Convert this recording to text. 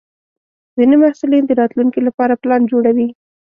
ځینې محصلین د راتلونکي لپاره پلان جوړوي.